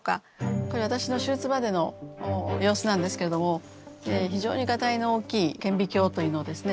これ私の手術場での様子なんですけれども非常にガタイの大きい顕微鏡というのをですね